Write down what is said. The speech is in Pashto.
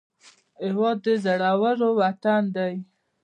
هېواد د زړورو وطن دی